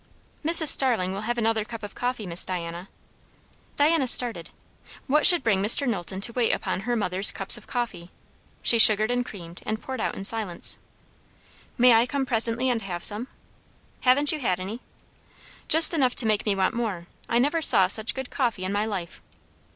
"Mrs. Starling will have another cup of coffee, Miss Diana." Diana started. What should bring Mr. Knowlton to wait upon her mother's cups of coffee? She sugared and creamed, and poured out in silence. "May I come presently and have some?" "Haven't you had any?" "Just enough to make me want more. I never saw such good coffee in my life."